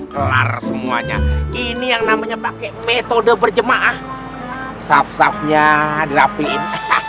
kelar semuanya ini yang namanya pakai metode berjemaah saf safnya dirapiin